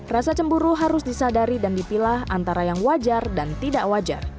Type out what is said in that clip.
rasa cemburu harus disadari dan dipilah antara yang wajar dan tidak wajar